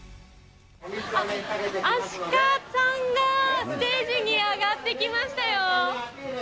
あっ、アシカちゃんがステージに上がってきましたよ。